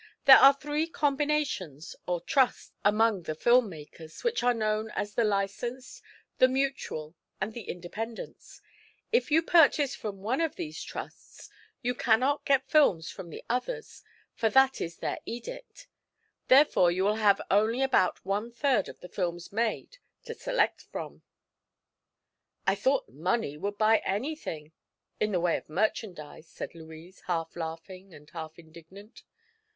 "There are three combinations, or 'trusts,' among the film makers, which are known as the Licensed, the Mutual and the Independents. If you purchase from one of these trusts, you cannot get films from the others, for that is their edict. Therefore you will have only about one third of the films made to select from." "I thought money would buy anything in the way of merchandise," said Louise, half laughing and half indignant.